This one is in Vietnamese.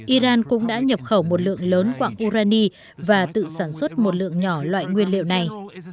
iran cũng đã nhập khẩu một lượng lớn quạng urani và tự sản xuất một lượng nhỏ loại nguyên liệu này